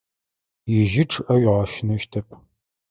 Ижьы чъыӏэ уигъэщынэщтэп.